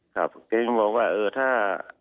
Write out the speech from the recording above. ครับเจ๊ก็บอกว่าเออถ้า